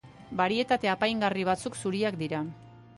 Barietate apaingarri batzuk zuriak dira.